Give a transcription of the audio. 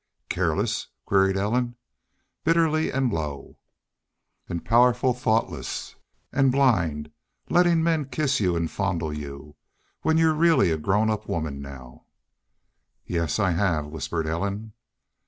"Care less?" queried Ellen, bitterly and low. "An' powerful thoughtless an' an' blind lettin' men kiss you an' fondle you when you're really a growed up woman now?" "Yes I have," whispered Ellen.